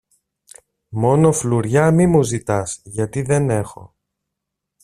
Μόνο φλουριά μη μου ζητάς γιατί δεν έχω.